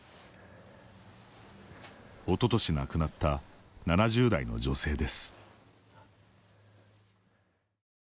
おととし亡くなった７０代の女性です。